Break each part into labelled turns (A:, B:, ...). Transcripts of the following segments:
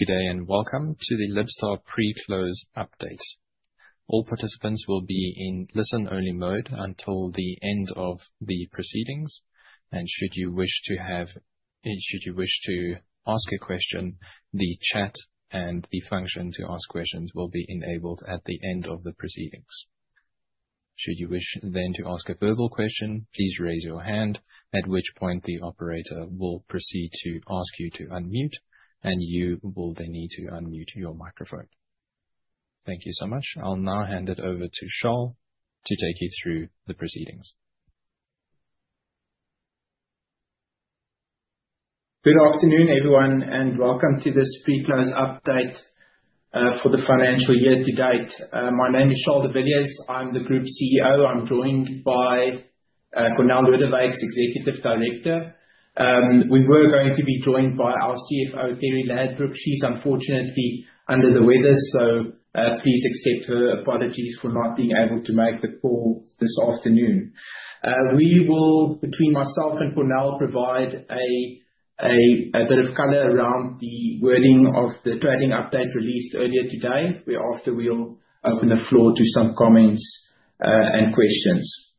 A: Good day and welcome to the Libstar pre-close update. All participants will be in listen-only mode until the end of the proceedings. Should you wish to ask a question, the chat and the function to ask questions will be enabled at the end of the proceedings. Should you wish then to ask a verbal question, please raise your hand, at which point the operator will proceed to ask you to unmute, and you will then need to unmute your microphone. Thank you so much. I will now hand it over to Charl to take you through the proceedings.
B: Good afternoon, everyone, and welcome to this pre-close update, for the financial year to date. My name is Charl De Villiers. I am the Group CEO. I am joined by Cornél Lodewyks, Executive Director. We were going to be joined by our CFO, Terri Ladbrooke. She is unfortunately under the weather, so, please accept her apologies for not being able to make the call this afternoon. We will, between myself and Cornél, provide a bit of color around the wording of the trading update released earlier today. Whereafter we will open the floor to some comments and questions.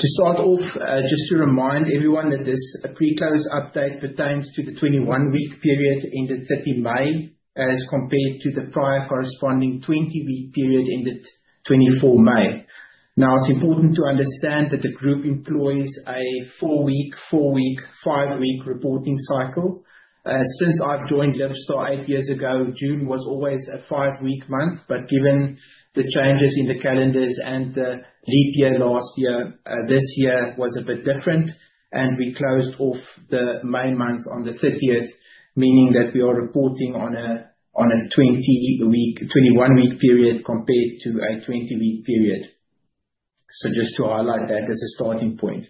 B: To start off, just to remind everyone that this pre-close update pertains to the 21-week period ended May 30, as compared to the prior corresponding 20-week period ended May 24. It is important to understand that the group employs a four-week, four-week, five-week reporting cycle. Since I have joined Libstar eight years ago, June was always a five-week month, given the changes in the calendars and the leap year last year, this year was a bit different, we closed off the May month on the 30th, meaning that we are reporting on a 21-week period compared to a 20-week period. Just to highlight that as a starting point.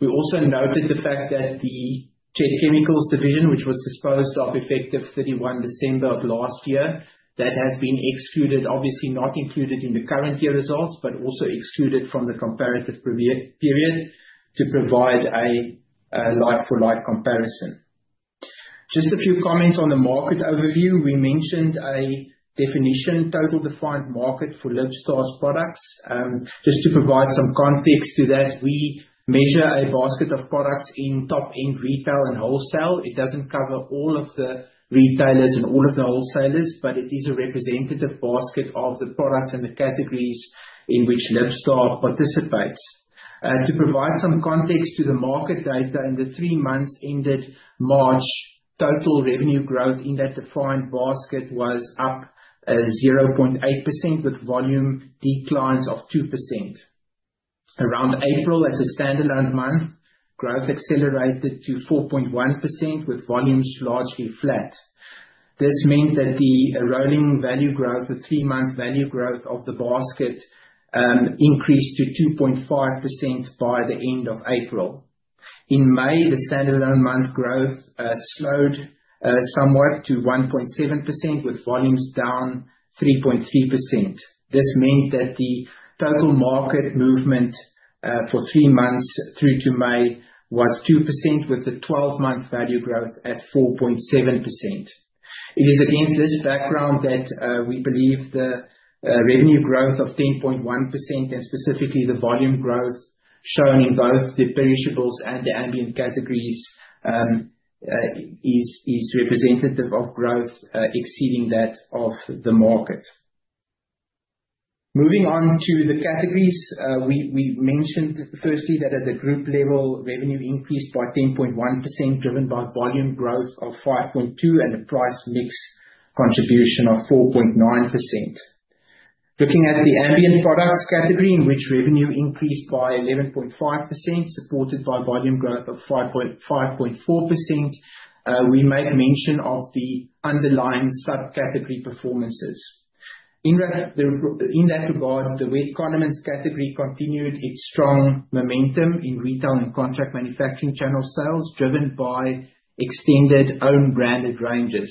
B: We also noted the fact that the Chet Chemicals division, which was disposed of effective 31 December of last year, that has been excluded, obviously not included in the current year results, but also excluded from the comparative period to provide a like-for-like comparison. Just a few comments on the market overview. We mentioned a definition, total defined market for Libstar's products. Just to provide some context to that, we measure a basket of products in top-end retail and wholesale. It does not cover all of the retailers and all of the wholesalers, but it is a representative basket of the products and the categories in which Libstar participates. To provide some context to the market data, in the three months ended March, total revenue growth in that defined basket was up 0.8% with volume declines of 2%. Around April as a standalone month, growth accelerated to 4.1% with volumes largely flat. This meant that the rolling value growth, the three-month value growth of the basket, increased to 2.5% by the end of April. In May, the standalone month growth slowed somewhat to 1.7% with volumes down 3.3%. This meant that the total market movement, for three months through to May, was 2% with the 12-month value growth at 4.7%. It is against this background that we believe the revenue growth of 10.1% and specifically the volume growth shown in both the perishables and the ambient categories, is representative of growth exceeding that of the market. Moving on to the categories. We mentioned firstly that at the group level, revenue increased by 10.1%, driven by volume growth of 5.2% and a price mix contribution of 4.9%. Looking at the ambient products category, in which revenue increased by 11.5%, supported by volume growth of 5.4%. We made mention of the underlying sub-category performances. In that regard, the wet condiments category continued its strong momentum in retail and contract manufacturing channel sales, driven by extended own-branded ranges.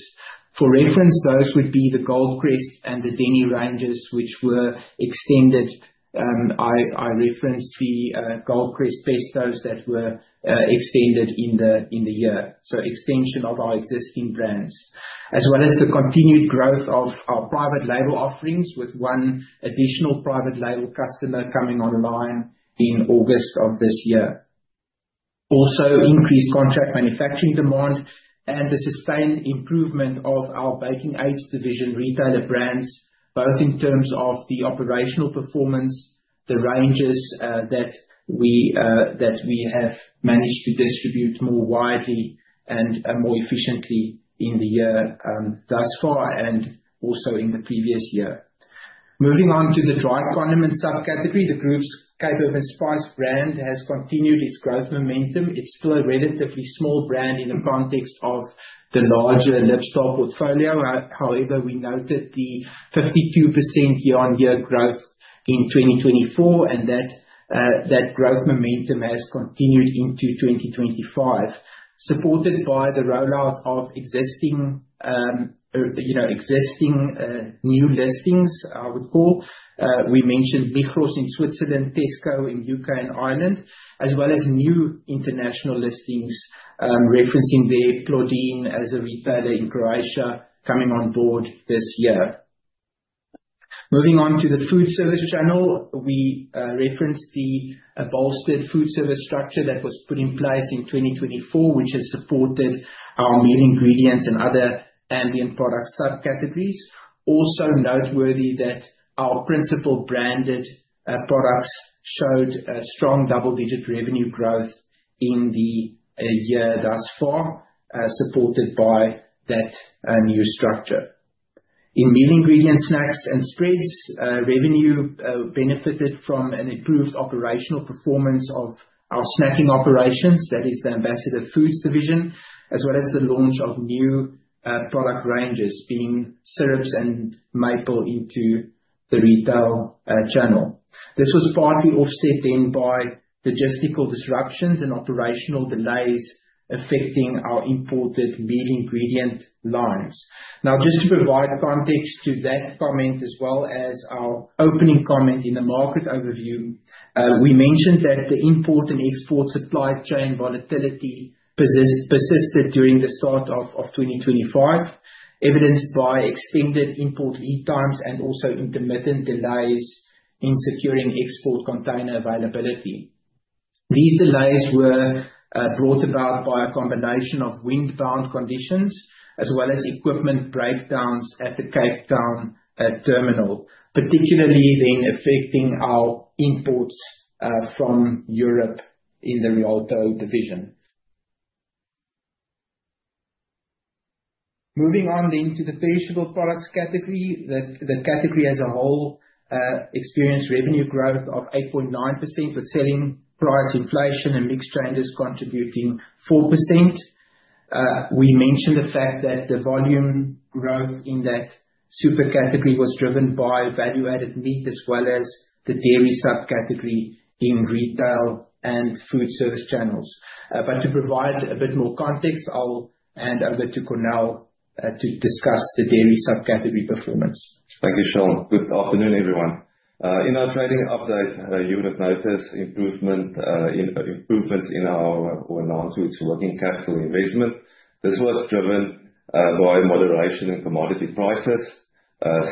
B: For reference, those would be the Goldcrest and the Denny ranges, which were extended. I referenced the Goldcrest pestos that were extended in the year. Extension of our existing brands. As well as the continued growth of our private label offerings, with one additional private label customer coming online in August of this year. Also, increased contract manufacturing demand and the sustained improvement of our baking aids division retailer brands, both in terms of the operational performance, the ranges that we have managed to distribute more widely and more efficiently in the year thus far, and also in the previous year. Moving on to the dry condiments subcategory. The group's Cape Herb & Spice brand has continued its growth momentum. It's still a relatively small brand in the context of the larger Libstar portfolio. However, we noted the 52% year-on-year growth in 2024 and that growth momentum has continued into 2025, supported by the rollout of existing new listings, I would call. We mentioned Migros in Switzerland, Tesco in U.K. and Ireland, as well as new international listings, referencing there Plodine as a retailer in Croatia coming on board this year. Moving on to the food service channel, we referenced the bolstered food service structure that was put in place in 2024, which has supported our meat ingredients and other ambient product subcategories. Also noteworthy that our principal branded products showed a strong double-digit revenue growth in the year thus far, supported by that new structure. In meat ingredients, snacks, and spreads, revenue benefited from an improved operational performance of our snacking operations, that is the Ambassador Foods division, as well as the launch of new product ranges, being syrups and maple into the retail channel. This was partly offset then by logistical disruptions and operational delays affecting our imported meat ingredient lines. Just to provide context to that comment as well as our opening comment in the market overview, we mentioned that the import and export supply chain volatility persisted during the start of 2025, evidenced by extended import lead times and also intermittent delays in securing export container availability. These delays were brought about by a combination of windbound conditions as well as equipment breakdowns at the Cape Town terminal, particularly then affecting our imports from Europe in the Rialto division. Moving on then to the perishables category. The category as a whole experienced revenue growth of 8.9%, with selling price inflation and mixed trenders contributing 4%. We mentioned the fact that the volume growth in that super category was driven by value-added meat as well as the dairy subcategory in retail and food service channels. To provide a bit more context, I'll hand over to Cornél to discuss the dairy subcategory performance.
C: Thank you, Charl. Good afternoon, everyone. In our trading update, you would have noticed improvements in our Laingsburg working capital investment. This was driven by moderation in commodity prices,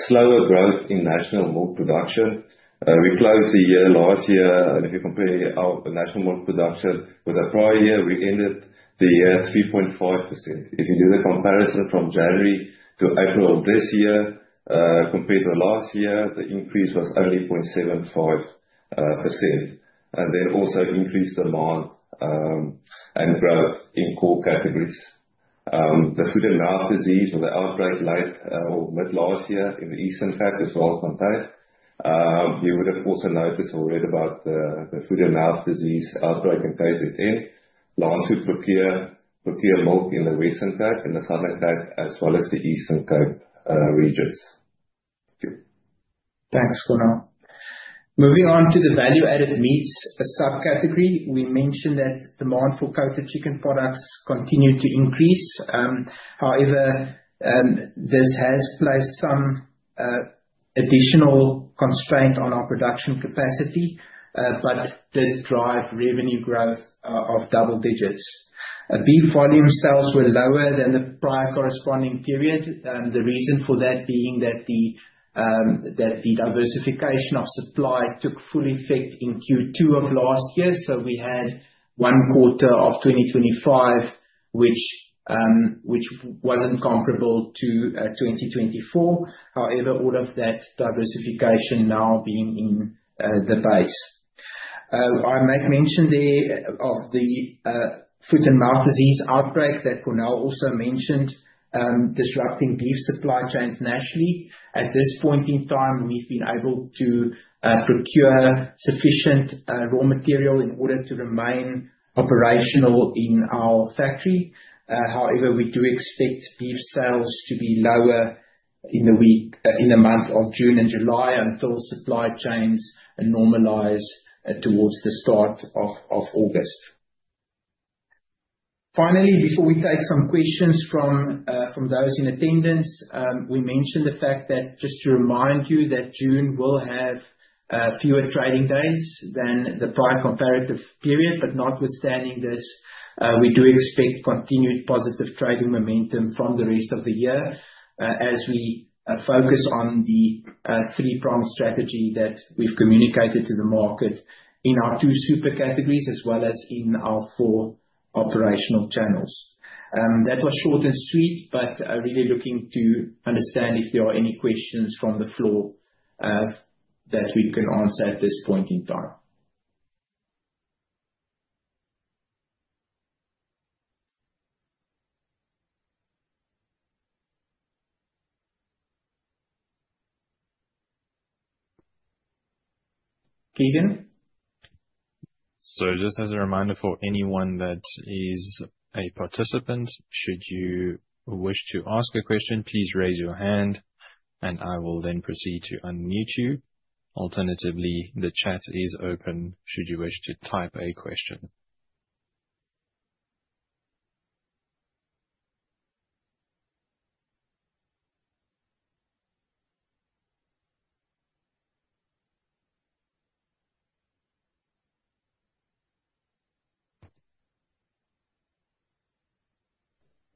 C: slower growth in national milk production. We closed the year last year, and if you compare our national milk production with the prior year, we ended the year 3.5%. If you do the comparison from January to April of this year compared to last year, the increase was only 0.75%, and then also increased demand and growth in core categories. The foot-and-mouth disease or the outbreak late or mid last year in the Eastern Cape as well as on time. You would have also noticed already about the foot-and-mouth disease outbreak in KZN. Laingsburg procure milk in the Western Cape, in the Southern Cape, as well as the Eastern Cape regions. Thank you.
B: Thanks, Cornél. Moving on to the value-added meats subcategory. We mentioned that demand for coated chicken products continued to increase. This has placed some additional constraint on our production capacity, but did drive revenue growth of double digits. Beef volume sales were lower than the prior corresponding period. The reason for that being that the diversification of supply took full effect in Q2 of last year. We had one quarter of 2025, which wasn't comparable to 2024. All of that diversification now being in the base. I make mention there of the foot-and-mouth disease outbreak that Cornél also mentioned, disrupting beef supply chains nationally. At this point in time, we've been able to procure sufficient raw material in order to remain operational in our factory. We do expect beef sales to be lower in the month of June and July until supply chains normalize towards the start of August. Finally, before we take some questions from those in attendance, we mentioned the fact that just to remind you that June will have fewer trading days than the prior comparative period. Notwithstanding this, we do expect continued positive trading momentum from the rest of the year as we focus on the three-pronged strategy that we've communicated to the market in our two super categories as well as in our four operational channels. That was short and sweet, but really looking to understand if there are any questions from the floor that we can answer at this point in time. Keegan?
A: Just as a reminder for anyone that is a participant, should you wish to ask a question, please raise your hand and I will then proceed to unmute you. Alternatively, the chat is open should you wish to type a question.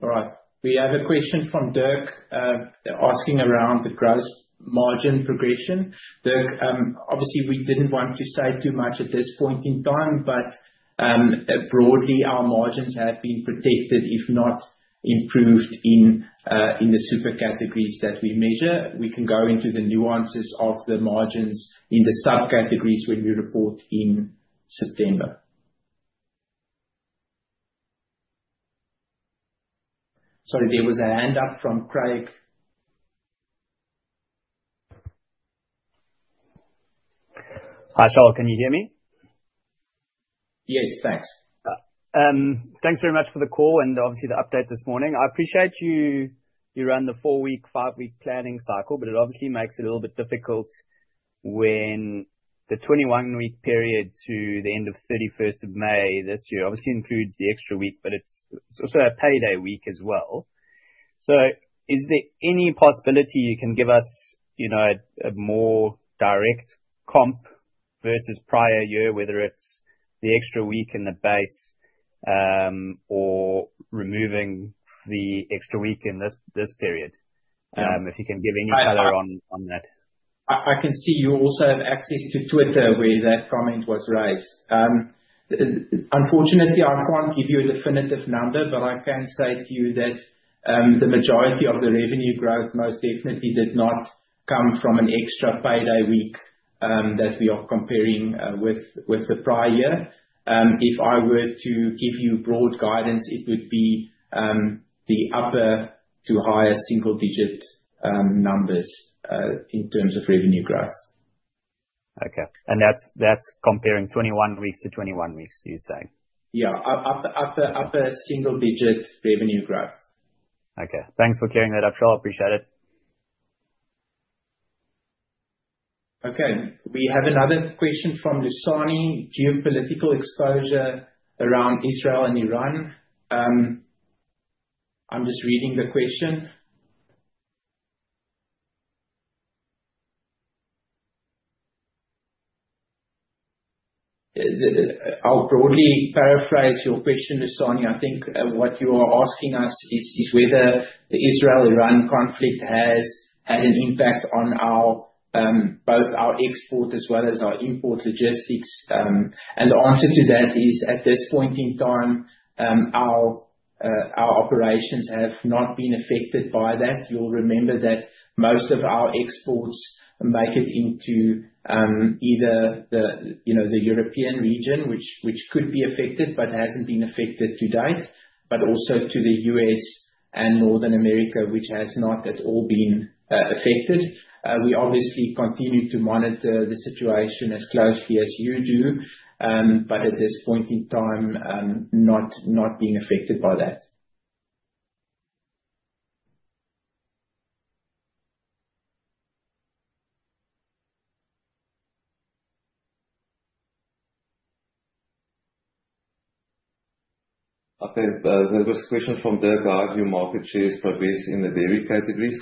B: All right. We have a question from Dirk, asking around the gross margin progression. Dirk, obviously, we didn't want to say too much at this point in time, broadly, our margins have been protected if not improved in the super categories that we measure. We can go into the nuances of the margins in the subcategories when we report in September. Sorry, there was a hand up from Craig.
D: Hi, Charl. Can you hear me?
B: Yes, thanks.
D: Thanks very much for the call and obviously the update this morning. I appreciate you run the four-week, five-week planning cycle, but it obviously makes it a little bit difficult when the 21-week period to the end of 31st of May this year obviously includes the extra week, but it's also a payday week as well. Is there any possibility you can give us a more direct comp versus prior year, whether it's the extra week in the base, or removing the extra week in this period? If you can give any color on that.
B: I can see you also have access to Twitter where that comment was raised. Unfortunately, I can't give you a definitive number, but I can say to you that the majority of the revenue growth most definitely did not come from an extra payday week that we are comparing with the prior year. If I were to give you broad guidance, it would be the upper to higher single-digit numbers, in terms of revenue growth.
D: Okay. That's comparing 21 weeks to 21 weeks, you say?
B: Yeah. Upper single-digit revenue growth.
D: Okay. Thanks for clearing that up, Charl. Appreciate it.
B: Okay. We have another question from Lusani, geopolitical exposure around Israel and Iran. I'm just reading the question. I'll broadly paraphrase your question, Lusani. I think what you are asking us is whether the Israel-Iran conflict has had an impact on both our export as well as our import logistics. The answer to that is, at this point in time, our operations have not been affected by that. You'll remember that most of our exports make it into either the European region, which could be affected but hasn't been affected to date, but also to the U.S. and North America, which has not at all been affected. We obviously continue to monitor the situation as closely as you do, but at this point in time, not being affected by that.
C: Okay. There was a question from Dirk, how have your market shares progressed in the dairy categories?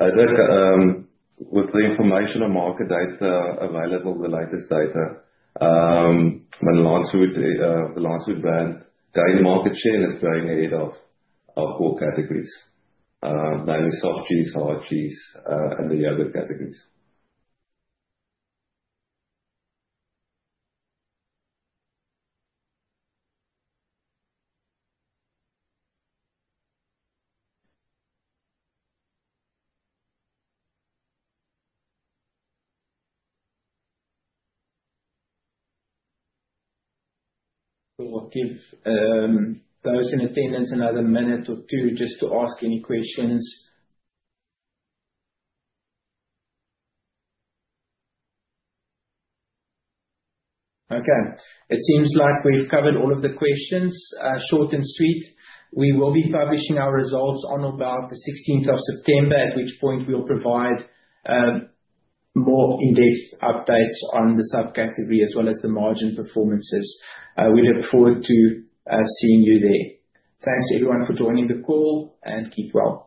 C: Dirk, with the information on market data available, the latest data, the Lancewood brand dairy market share is growing ahead of all categories, namely soft cheese, hard cheese, and the yogurt categories.
B: We'll give those in attendance another minute or two just to ask any questions. Okay. It seems like we've covered all of the questions, short and sweet. We will be publishing our results on about the 16th of September, at which point we'll provide more in-depth updates on the subcategory as well as the margin performances. We look forward to seeing you there. Thanks everyone for joining the call, and keep well.